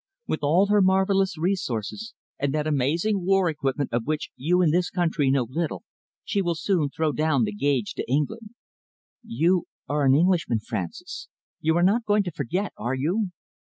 With all her marvellous resources and that amazing war equipment of which you in this country know little, she will soon throw down the gage to England. You are an Englishman, Francis. You are not going to forget it, are you?"